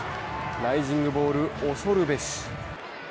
ライジングボール恐るべし。